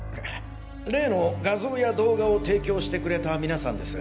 例の画像や動画を提供してくれた皆さんです。